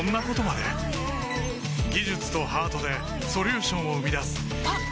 技術とハートでソリューションを生み出すあっ！